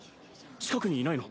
近くにいないの？